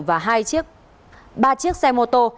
và hai chiếc ba chiếc xe mô tô